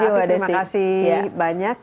terima kasih banyak